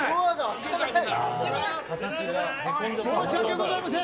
申し訳ございません。